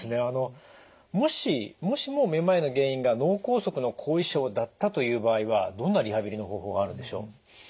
あのもしもしもめまいの原因が脳梗塞の後遺症だったという場合はどんなリハビリの方法があるんでしょう？